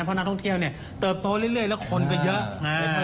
เพราะนักท่องเที่ยวเนี่ยเติบโตเรื่อยแล้วคนก็เยอะ